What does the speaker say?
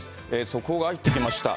速報が入ってきました。